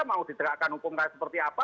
mau ditegakkan hukum kayak seperti apa